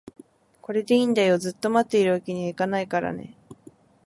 これでいいんだよ、ずっと持っているわけにはいけないからね